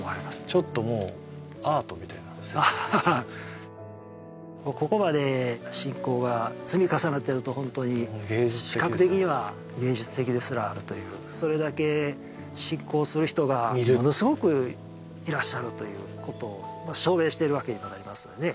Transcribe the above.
ちょっともうアートみたいなここまで信仰が積み重なってるとホントに視覚的には芸術的ですらあるというそれだけ信仰する人がものすごくいらっしゃるということを証明してるわけにもなりますよね